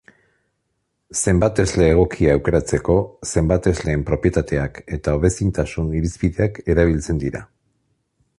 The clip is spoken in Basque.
Zenbatesle egokia aukeratzeko, zenbatesleen propietateak eta hobezintasun-irizpideak erabiltzen dira.